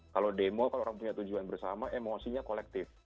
kalau demo kalau orang punya tujuan bersama emosinya kolektif